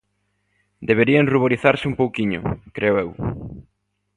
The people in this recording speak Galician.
Deberían ruborizarse un pouquiño, creo eu.